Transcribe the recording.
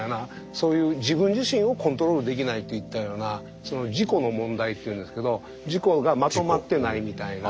そういう自分自身をコントロールできないといったような「自己」の問題っていうんですけど自己がまとまってないみたいな。